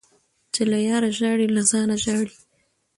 - چي له یاره ژاړي له ځانه ژاړي.